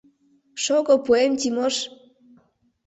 — Шого, пуэм, Тимош.